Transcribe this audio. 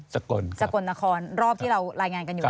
สกลนครรอบที่เรารายงานกันอยู่